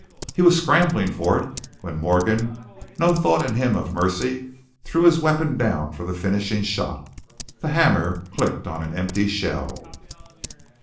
He was scrambling for it when Morgan, no thought in him of mercy, threw his weapon down for the finishing shot. The hammer clicked on an empty shell.